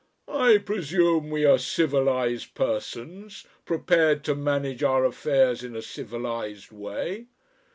"I presume we are civilised persons prepared to manage our affairs in a civilised way.